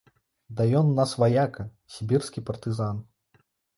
Ды ён у нас ваяка, сібірскі партызан.